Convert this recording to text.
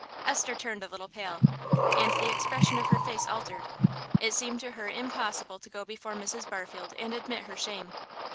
Esther turned a little pale, and the expression of her face altered; it seemed to her impossible to go before Mrs. Barfield and admit her shame.